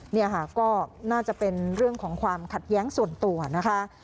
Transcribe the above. นี่ค่ะก็น่าจะเป็นเรื่องของความขัดแย้งส่วนตัวนะคะ